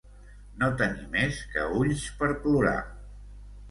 No tenir més que ulls per plorar.